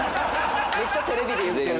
めっちゃテレビで言ってる。